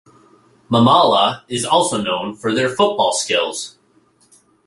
Mamala is also known for their football skills.